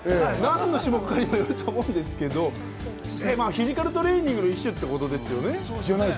何の種目かにもよると思うんですけど、フィジカルトレーニングの一種っていうことなんですもんね。